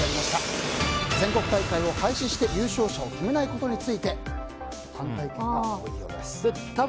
全国大会を廃止して優勝者を決めないことに対して反対意見が多いようです。